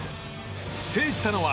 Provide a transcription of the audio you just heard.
制したのは。